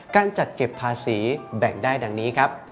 การจัดเก็บภาษีแบ่งได้ดังนี้ครับ